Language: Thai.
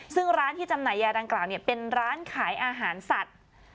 ซึ่งร้านที่จำหน่ายยาดังกล่าวเป็นร้านขายอาหารสัตว์